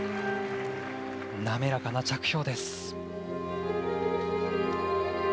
滑らかな着氷です。